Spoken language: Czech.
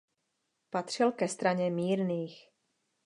Patřil ke straně mírných.